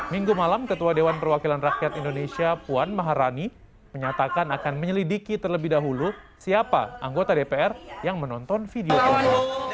minggu malam ketua dewan perwakilan rakyat indonesia puan maharani menyatakan akan menyelidiki terlebih dahulu siapa anggota dpr yang menonton video ini